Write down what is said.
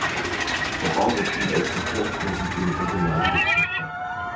Der Bahnhof dient als Verkehrsknoten für den regionalen Busverkehr.